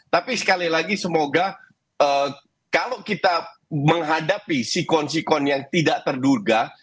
tapi sekali lagi semoga kalau kita menghadapi sikon sikon yang tidak terduga